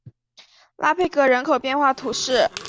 拉佩格人口变化图示